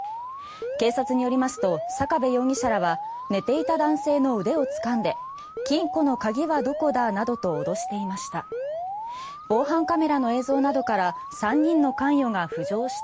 警察によりますと坂部容疑者らは寝ていた男性の腕をつかんで金庫の鍵はどこだなどと脅していました。